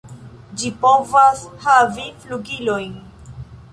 Ĝi povas havi flugilojn.